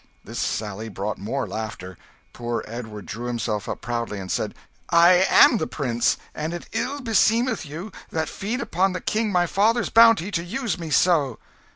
This sally brought more laughter. Poor Edward drew himself up proudly and said "I am the prince; and it ill beseemeth you that feed upon the king my father's bounty to use me so."